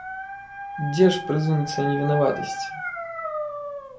Дзе ж прэзумпцыя невінаватасці?